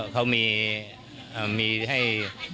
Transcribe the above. เขามีให้